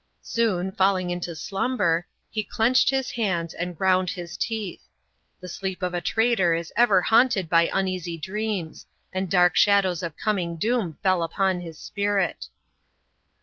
Soon, falling into slumber, he clenched his hands, and ground his teeth. The sleep of a traitor is ever haunted by uneasy dreams, and dark shadows of coming doom fell upon his spirit.